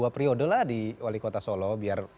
priodolah di wali kota solo biar